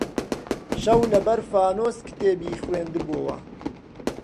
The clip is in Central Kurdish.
شەو لەبەر فانووس کتێبی خوێندبۆوە